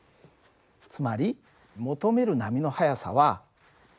つまり求める波の速さはυ。